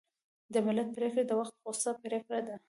د ملت پرېکړه د وخت غوڅه پرېکړه ده.